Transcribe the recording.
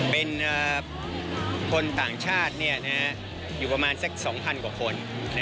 เป็นคนต่างชาติอยู่ประมาณสัก๒๐๐กว่าคน